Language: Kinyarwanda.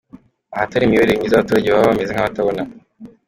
Ahatari imiyoborere myiza abaturage baba bameze nk’abatabona